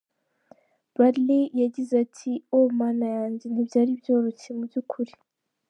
Bradley yagize ati “Oh Mana yanjye! Ntibyari byoroshye mu by’ukuri.